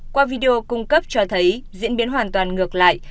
qua video cung cấp cho thấy diễn biến hoàn toàn ngược lại